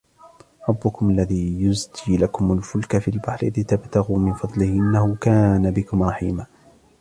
رَبُّكُمُ الَّذِي يُزْجِي لَكُمُ الْفُلْكَ فِي الْبَحْرِ لِتَبْتَغُوا مِنْ فَضْلِهِ إِنَّهُ كَانَ بِكُمْ رَحِيمًا